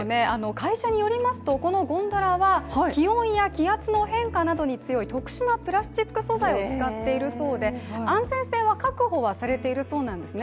会社によりますと、このゴンドラは気温や気圧の変化に強い特殊なプラスチック素材を使っているそうで安全性は確保はされているそうなんですね。